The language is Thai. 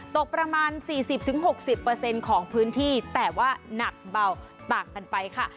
ตกประมาณสี่สิบถึงหกสิบเปอร์เซ็นต์ของพื้นที่แต่ว่านักเบาต่างกันไปค่ะ